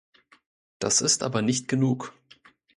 Das ist aber nicht genug.